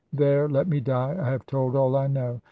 There, let me die; I have told all I know.